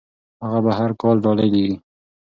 هغه به هر کال ډالۍ لیږي.